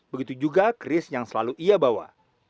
begitu juga keris yang selalu ia bawa